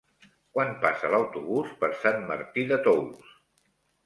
Quan passa l'autobús per Sant Martí de Tous?